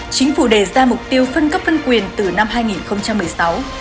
chính phủ đề ra mục tiêu phân cấp phân quyền từ năm hai nghìn một mươi sáu